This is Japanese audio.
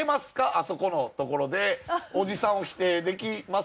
あそこのところでおじさんを否定できます？